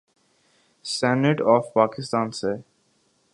Senate of Pakistan سے۔